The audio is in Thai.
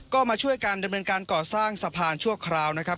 ก็มาช่วยกันดำเนินการก่อสร้างสะพานชั่วคราวนะครับ